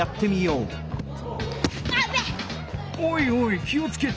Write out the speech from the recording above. おいおい気をつけて！